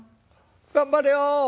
頑張れよ！